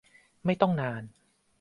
ไม่ต้องนาน